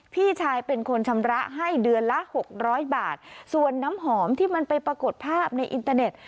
พี่ชายเป็นคนชำระให้เดือนละหกร้อยบาทส่วนน้ำหอมที่มันไปปรากฏภาพในอินเตอร์เน็ต